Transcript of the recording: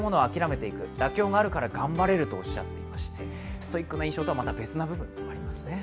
ストイックな印象とはまた別な部分がありますね。